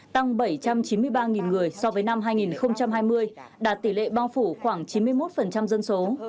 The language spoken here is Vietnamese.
tăng bảy trăm chín mươi ba người so với năm hai nghìn hai mươi đạt tỷ lệ bao phủ khoảng chín mươi một dân số